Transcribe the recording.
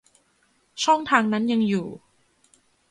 ช่องทางนั้นยังอยู่